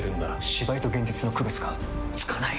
芝居と現実の区別がつかない！